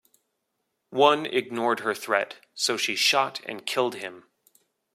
One ignored her threat, so she shot and killed him.